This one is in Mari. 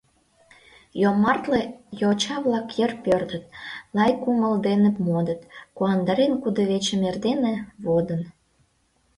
Йомартле йоча-влак йыр пӧрдыт, Лай кумыл дене модын, Куандарен кудывечым эрдене, водын.